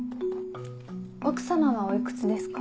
奥様はおいくつですか？